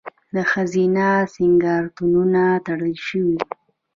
د ښځینه سینګارتونونه تړل شوي؟